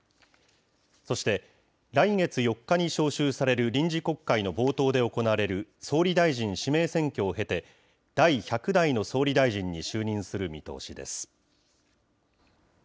そして、来月４日に召集される臨時国会の冒頭で行われる総理大臣指名選挙を経て、第１００代の総理大臣に就任する見通しです。